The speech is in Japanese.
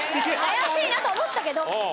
怪しいなと思ったけど。